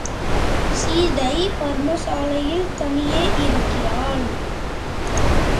சீதை பர்ணசாலையில் தனியே இருக்கிறாள்.